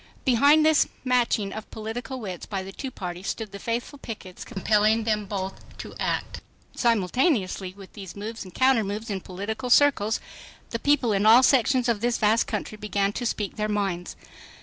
Behind this matching of political wits by the two parties stood the faithful pickets compelling them both to act. Simultaneously with these moves and counter moves in political circles, the people in all sections of this vast country began to speak their minds.